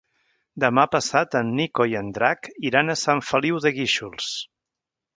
Demà passat en Nico i en Drac iran a Sant Feliu de Guíxols.